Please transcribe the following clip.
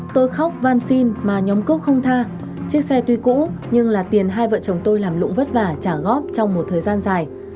tôi khóc văn xin mà nhóm cướp không tha chiếc xe tuy cũ nhưng là tiền hai vợ chồng tôi làm lụng vất vả trả góp trong một thời gian dài